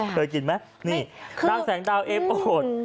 เคยกินไหมนี่นางแสงดาวเอฟโอน